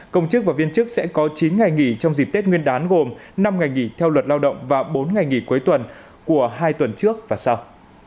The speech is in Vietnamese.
công chức và viên chức sẽ có chín ngày nghỉ trong dịp tết nguyên đán gồm năm ngày nghỉ theo luật lao động và bốn ngày nghỉ cuối tuần của hai tuần trước và sau